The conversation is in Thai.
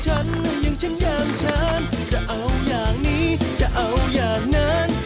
จ้างยามฉันจะเอาอย่างนี้จะเอาอย่างนั้น